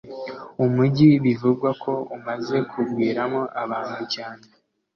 umujyi bivugwa ko umaze kugwiramo abantu cyane